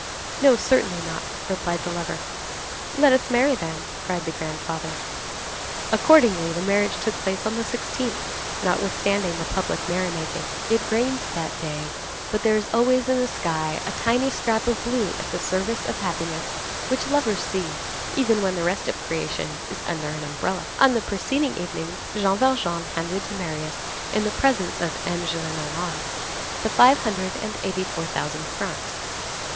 "No, certainly not!" replied the lover. "Let us marry, then," cried the grandfather. Accordingly, the marriage took place on the 16th, notwithstanding the public merrymaking. It rained that day, but there is always in the sky a tiny scrap of blue at the service of happiness, which lovers see, even when the rest of creation is under an umbrella. On the preceding evening, Jean Valjean handed to Marius, in the presence of M. Gillenormand, the five hundred and eighty four thousand francs.